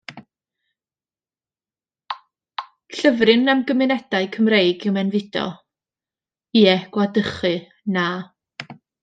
Llyfryn am gymunedau Cymraeg yw Mewnfudo, Ie; Gwladychu, Na!